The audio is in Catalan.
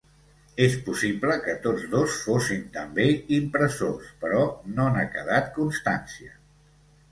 És possible que tots dos fossin també impressors, però no n'ha quedat constància.